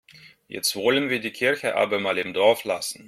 Jetzt wollen wir die Kirche aber mal im Dorf lassen.